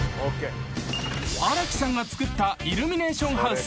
［荒木さんが作ったイルミネーションハウス］